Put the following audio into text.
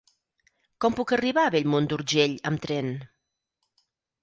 Com puc arribar a Bellmunt d'Urgell amb tren?